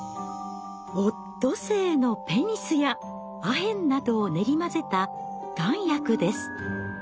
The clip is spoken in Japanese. オットセイのペニスやアヘンなどを練り混ぜた丸薬です。